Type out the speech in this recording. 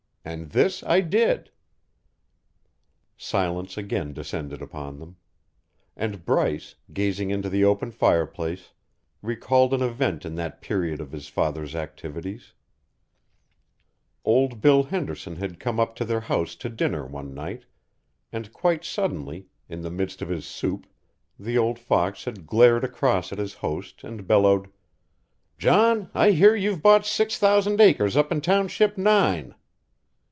And this I did." Silence again descended upon them; and Bryce, gazing into the open fireplace, recalled an event in that period of his father's activities: Old Bill Henderson had come up to their house to dinner one night, and quite suddenly, in the midst of his soup, the old fox had glared across at his host and bellowed: "John, I hear you've bought six thousand acres up in Township Nine."